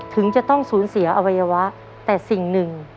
ถึงจะต้องสูญเสียอวัยวะแต่สิ่งหนึ่ง